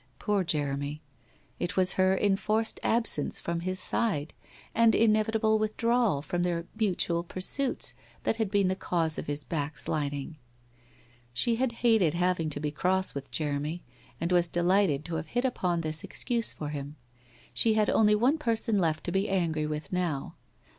Poor Jeremy! It was her enforced ab sence from his side and inevitable withdrawal from their mutual pursuits that had been the cause of his backsliding. She had hated having to be cross with Jeremy and was delighted to have hit upon this excuse for him. She had only one person left to be angry with now.